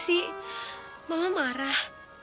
tadi aja sih mama marah